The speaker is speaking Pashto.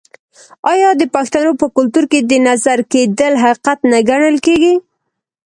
آیا د پښتنو په کلتور کې د نظر کیدل حقیقت نه ګڼل کیږي؟